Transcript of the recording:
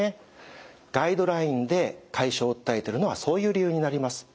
ガイドラインで解消を訴えているのはそういう理由になります。